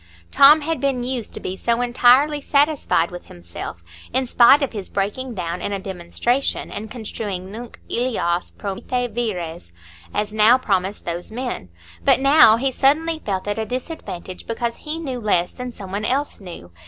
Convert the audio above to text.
Tom had been used to be so entirely satisfied with himself, in spite of his breaking down in a demonstration, and construing nunc illas promite vires as "now promise those men"; but now he suddenly felt at a disadvantage, because he knew less than some one else knew.